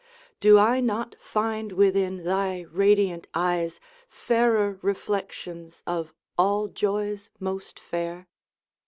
Do I not find within thy radiant eyes Fairer reflections of all joys most fair?